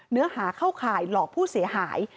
เนื้อหาเข้าข่ายหลอกผู้เสียหาย